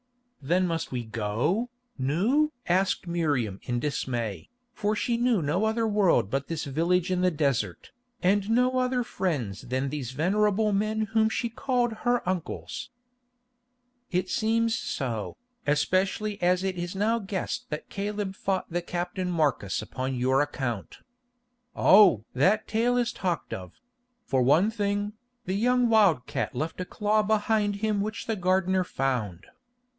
"Then must we go, Nou?" asked Miriam in dismay, for she knew no other world but this village in the desert, and no other friends than these venerable men whom she called her uncles. "It seems so, especially as it is now guessed that Caleb fought the Captain Marcus upon your account. Oh! that tale is talked of—for one thing, the young wild cat left a claw behind him which the gardener found."